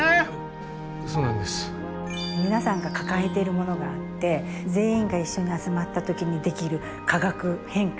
皆さんが抱えているものがあって全員が一緒に集まった時にできる化学変化